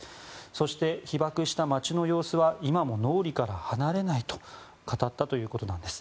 そして、被爆した街の様子は今も脳裏から離れないと語ったということなんです。